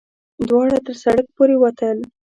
دواړه تر سړک پورې وتل.